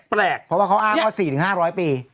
เพราะว่าเขาอ้างว่าสี่ถึงห้าร้อยปี